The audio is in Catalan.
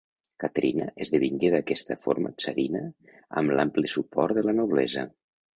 Caterina esdevingué d'aquesta forma tsarina amb l'ampli suport de la noblesa.